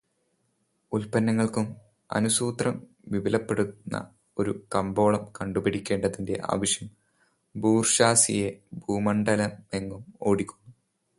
ഉല്പന്നങ്ങൾക്കു് അനുസ്യൂതം വിപുലപ്പെടുന്ന ഒരു കമ്പോളം കണ്ടുപിടിക്കേണ്ടതിന്റെ ആവശ്യം ബൂർഷ്വാസിയെ ഭൂമണ്ഡലമെങ്ങും ഓടിക്കുന്നു.